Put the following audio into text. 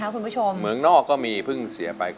อเรนนี่คือเหตุการณ์เริ่มต้นหลอนช่วงแรกแล้วมีอะไรอีก